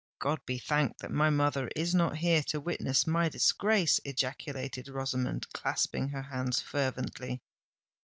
"God be thanked that my mother is not here to witness my disgrace!" ejaculated Rosamond, clasping her hands fervently.